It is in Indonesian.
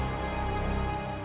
maafkan hamba kajeng ratu